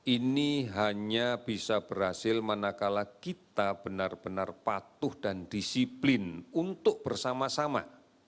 ini hanya bisa berhasil manakala kita benar benar patuh dan disiplin untuk bersama sama